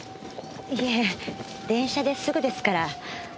いえ電車ですぐですから。